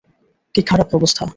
কি খারাপ অবস্থা!